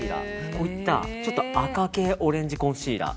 こういった赤系オレンジコンシーラー